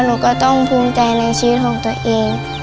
หนูก็ต้องภูมิใจในชีวิตของตัวเอง